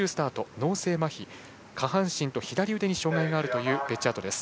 脳性まひで下半身と左腕に障がいがあるというベッジャートです。